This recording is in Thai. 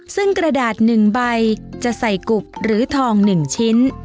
ซึ่งกระดาษหนึ่งใบจะใส่กลุบหรือทองหนึ่งชิ้น